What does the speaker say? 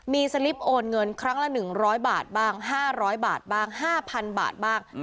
มีสลิปโอนเงินครั้งละ๑๐๐บาทบ้าง๕๐๐บาทบ้าง๕๐๐๐บาทบ้าง